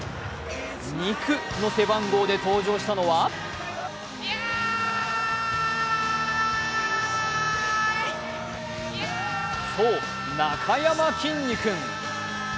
２９の背番号で登場したのはそう、なかやまきんに君。